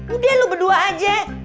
udah lu berdua aja